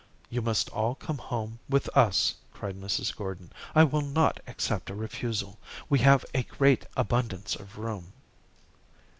"You must all come home with us," cried Mrs. Gordon. "I will not accept a refusal. We have a great abundance of room."